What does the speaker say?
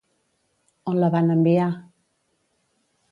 On la van enviar?